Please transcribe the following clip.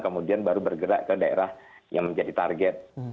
kemudian baru bergerak ke daerah yang menjadi target